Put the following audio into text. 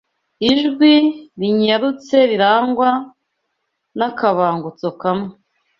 Ijwi rinyarutse rirangwa n’akabangutso kamwe